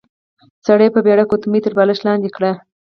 سړي په بيړه ګوتمۍ تر بالښت لاندې کړې.